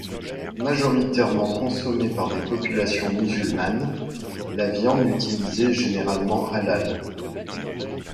Majoritairement consommée par des populations musulmanes, la viande utilisée est généralement halal.